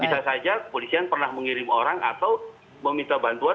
bisa saja kepolisian pernah mengirim orang atau meminta bantuan